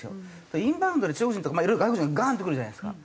インバウンドで中国人とか色々外国人がガーンと来るじゃないですか。